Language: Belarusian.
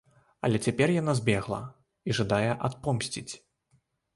Але цяпер яна збегла і жадае адпомсціць.